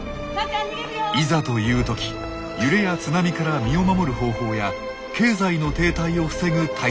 いざという時揺れや津波から身を守る方法や経済の停滞を防ぐ対策も！